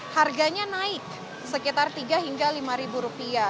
harganya naik sekitar tiga hingga lima ribu rupiah